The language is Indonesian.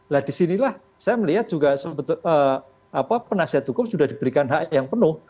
nah disinilah saya melihat juga penasihat hukum sudah diberikan hak yang penuh